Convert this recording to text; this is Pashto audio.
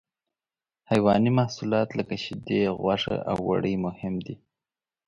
حیواني محصولات لکه شیدې، غوښه او وړۍ مهم دي.